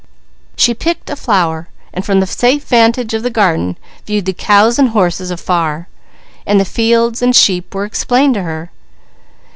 She picked a flower, and from the safe vantage of the garden viewed the cows and horses afar; and the fields and sheep were explained to her.